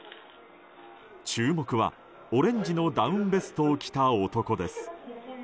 注目はオレンジのダウンベストを着た男です。